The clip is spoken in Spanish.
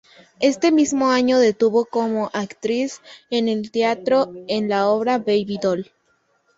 Ese mismo año debutó como actriz en el teatro en la obra "Baby Doll".